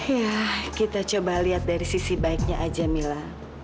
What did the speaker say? ya kita coba lihat dari sisi baiknya aja mila